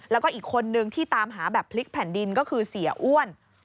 แล้วก็อีกคนนึงที่ตามหาแบบพลิกแผ่นดินก็คือเสียอ้วน